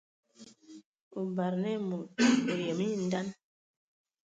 O bagǝdan ai mod, o yəməŋ nye ndan.